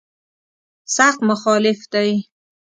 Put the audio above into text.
سخت مخالف دی.